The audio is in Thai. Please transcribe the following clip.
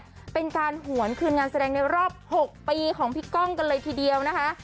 เป็นการหวนคืนงานแสดงในรอบ๖ปีของพี่ก้องกันเลยทีเดียวนะคะ